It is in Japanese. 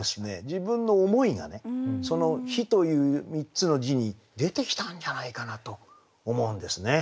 自分の思いがねその「日」という３つの字に出てきたんじゃないかなと思うんですね。